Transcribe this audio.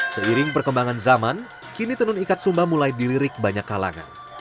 seiring perkembangan zaman kini tenun ikat sumba mulai dilirik banyak kalangan